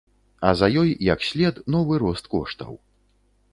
А за ёй, як след, новы рост коштаў.